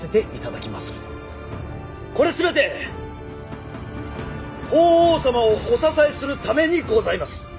これ全て法皇様をお支えするためにございます。